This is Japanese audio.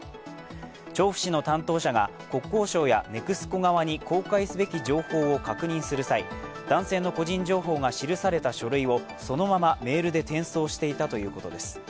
調布市の担当者が国交省やＮＥＸＣＯ側に公開すべき情報を確認する際、男性の個人情報が記された書類をそのままメールで転送していたということです。